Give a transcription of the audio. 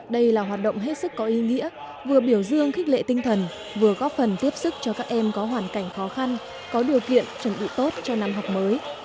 đây là hoạt động hết sức có ý nghĩa vừa biểu dương khích lệ tinh thần vừa góp phần tiếp sức cho các em có hoàn cảnh khó khăn có điều kiện chuẩn bị tốt cho năm học mới